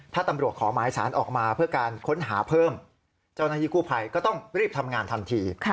ถ้าตำรวจขอหมายสารออกมาเพื่อการค้นหาเพิ่มเจ้าหน้าที่กู้ภัยก็ต้องรีบทำงานทันที